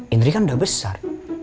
indri kan udah besar